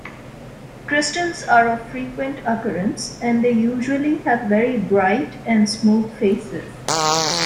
Crystals are of frequent occurrence and they usually have very bright and smooth faces.